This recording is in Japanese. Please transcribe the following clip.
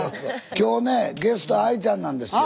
今日ねゲストＡＩちゃんなんですよ。